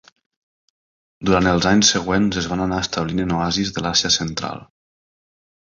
Durant els anys següents es van anar establint en oasis de l'Àsia Central.